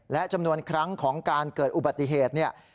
และจำนวนครั้งของการเกิดอุบัติเหตุเนี่ย